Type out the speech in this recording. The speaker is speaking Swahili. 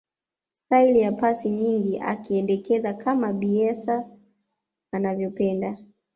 staili ya pasi nyingi akaiendeleza kama bielsa anavyopenda